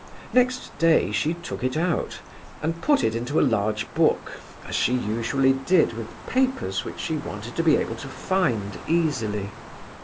Next day, she took it out, and put it into a large book, as she usually did with papers which she wanted to be able to find easily.